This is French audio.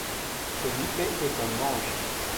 Felipe est un ange.